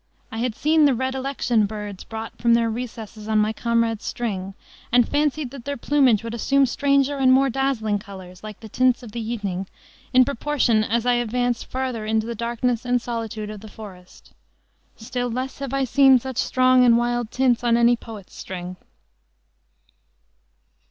I had seen the red election birds brought from their recesses on my comrade's string, and fancied that their plumage would assume stranger and more dazzling colors, like the tints of evening, in proportion as I advanced farther into the darkness and solitude of the forest. Still less have I seen such strong and wild tints on any poet's string."